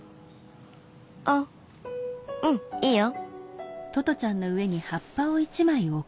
あっうんいいよ。